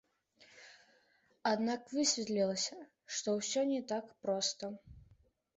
Аднак высветлілася, што ўсё не так проста.